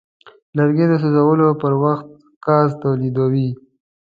لرګی د سوځولو پر وخت ګاز تولیدوي.